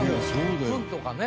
フンとかね。